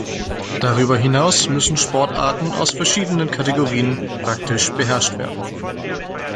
Darüber hinaus müssen Sportarten aus verschiedenen Kategorien praktisch beherrscht werden.